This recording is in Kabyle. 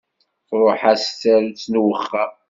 Truḥ-as tsarut n uxxam.